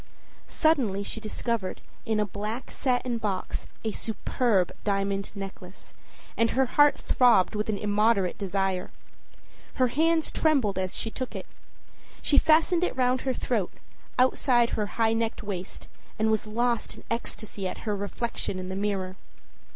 â Suddenly she discovered, in a black satin box, a superb diamond necklace, and her heart throbbed with an immoderate desire. Her hands trembled as she took it. She fastened it round her throat, outside her high necked waist, and was lost in ecstasy at her reflection in the mirror.